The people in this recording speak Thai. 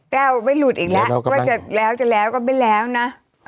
แก้วไว้หลุดอีกแล้วก็ไม่แล้วนะ